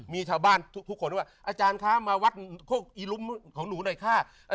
มีชาวบ้านทุกคนว่าอาจารย์คะมาวัดของหนูนายค่ะ